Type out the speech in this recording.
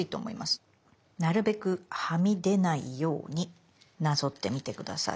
なるべくはみ出ないようになぞってみて下さい。